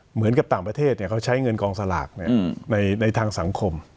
เหมือนกับต่างประเทศเขาใช้เงินกองสลากในทางสังคม